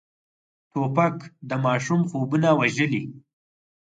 توپک د ماشوم خوبونه وژلي.